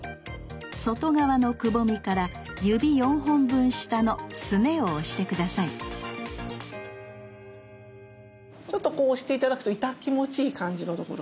外側のくぼみから指４本分下のすねを押して下さいちょっとこう押して頂くとイタ気持ちいい感じのところ。